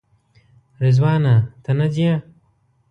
رضوانه ته نه ځې؟